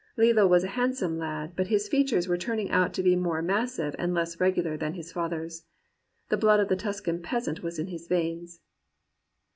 Lillo was a handsome lad, but his features were turning out to be more mas sive and less regular than his father's. The blood of the Tuscan peasant was in his veins.